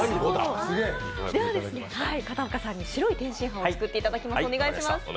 片岡さんに白い天津飯を作っていただきます。